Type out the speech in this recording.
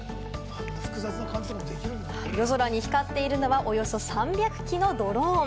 夜空に光っているのはおよそ３００機のドローン。